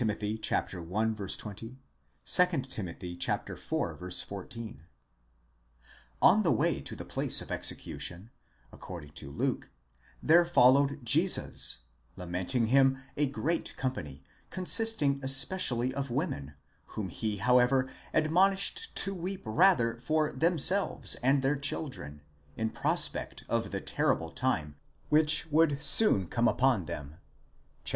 i. 20(?); 2 Tim. iv. 14 (?) ).5 On the way to the place of execution, according to Luke, there followed Jesus, lamenting him, a great company, consisting especially of women, whom he however admonished to weep rather for themselves and their children, in prospect of the terrible time, which would soon come upon them (xxiii.